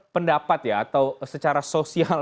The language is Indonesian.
pendapat ya atau secara sosial